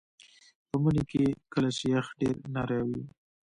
په مني کې کله چې یخ ډیر نری وي